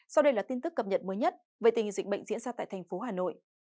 sau đây là tin tức cập nhật mới nhất về tình hình dịch bệnh diễn ra tại thành phố hà nội